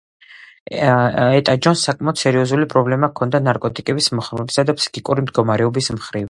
ეტა ჯონს საკმაოდ სერიოზული პრობლემა ჰქონდა ნარკოტიკების მოხმარებისა და ფსიქიკური მდგომარეობის მხრივ.